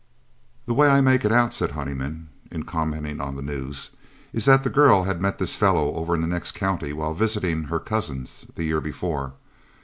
"The way I make it out," said Honeyman, in commenting on the news, "is that the girl had met this fellow over in the next county while visiting her cousins the year before.